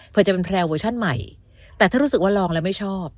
เพื่อจะเป็นแพลวเวอร์ชั่นใหม่แต่ถ้ารู้สึกว่าลองแล้วไม่ชอบ